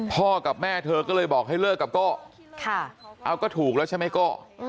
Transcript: กับแม่เธอก็เลยบอกให้เลิกกับโก้เอาก็ถูกแล้วใช่ไหมโก้